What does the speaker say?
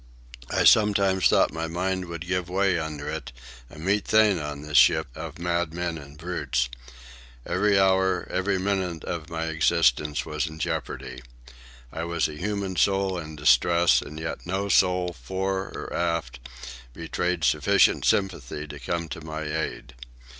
I sometimes thought my mind would give way under it—a meet thing on this ship of madmen and brutes. Every hour, every minute of my existence was in jeopardy. I was a human soul in distress, and yet no soul, fore or aft, betrayed sufficient sympathy to come to my aid.